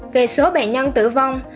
về số bệnh nhân tử vong